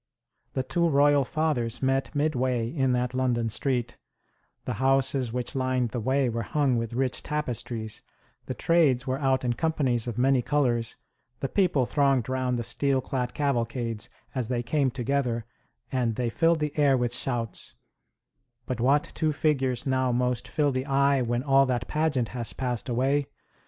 The two royal fathers met midway in that London street, the houses which lined the way were hung with rich tapestries, the trades were out in companies of many colors, the people thronged round the steelclad cavalcades as they came together, and they filled the air with shouts but what two figures now most fill the eye when all that pageant has passed away?